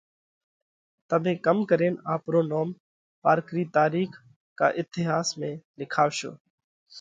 تمي ڪم ڪرينَ آپرو نوم پارڪرِي تارِيخ ڪا اٿياس ۾ لکاوَشو؟